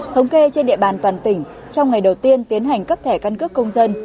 thống kê trên địa bàn toàn tỉnh trong ngày đầu tiên tiến hành cấp thẻ căn cước công dân